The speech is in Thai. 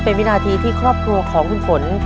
เป็นวินาทีที่ครอบครัวของคุณฝน